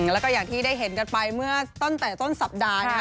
แล้วก็อย่างที่ได้เห็นกันไปเมื่อตั้งแต่ต้นสัปดาห์นะคะ